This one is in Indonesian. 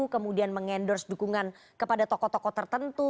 kemudian mengendorse dukungan kepada tokoh tokoh tertentu